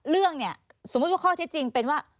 เรื่องเนี่ยสมมุติว่าข้อเท็จจริงเป็นว่า